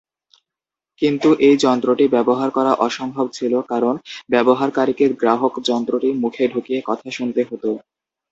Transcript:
কিন্তু এই যন্ত্রটি ব্যবহার করা অসম্ভব ছিল কারণ ব্যবহারকারীকে গ্রাহক যন্ত্রটি মুখে ঢুকিয়ে কথা শুনতে হত।